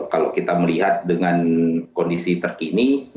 kalau kita melihat dengan kondisi terkini